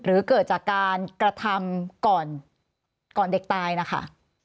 หรือเกิดจากการกระทำก่อนก่อนเด็กตายนะคะ